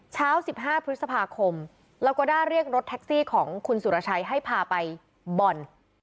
เช้า๑๕พฤษภาคมแล้วก็ได้เรียกรถแท็กซี่ของคุณสุรชัยให้พาไปบ่อน